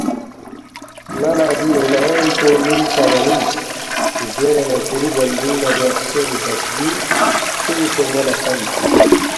ن٘ا لہ دِی اِنعام پو مِنسا مہ مِنس“ زیرے نہ کُھوری جندِنگ نہ دے خسیری تسبیح فیُونگسے مو لہ ہلتنس